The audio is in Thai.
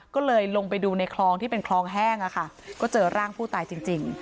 ก็เลยลงไปดูในคลองที่เป็นคลองแห้งก็เจอร่างผู้ตายจริง